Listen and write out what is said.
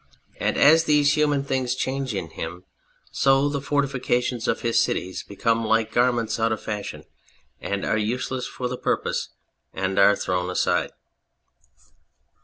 And as these human things change in him, so the fortification of his cities become like garments out of fashion and are useless for their purpose and are thrown aside."